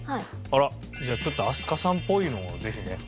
あらじゃあちょっと飛鳥さんっぽいのをぜひね。